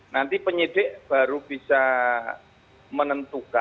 nanti penyidik baru bisa menentukan